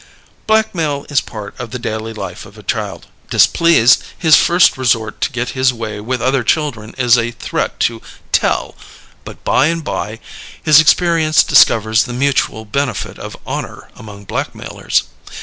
Blackmail is part of the daily life of a child. Displeased, his first resort to get his way with other children is a threat to "tell," but by and by his experience discovers the mutual benefit of honour among blackmailers.